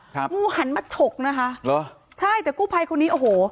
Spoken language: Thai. งูหันมาฉกนะคะเหรอใช่แต่กู้ภัยคนนี้โอ้โห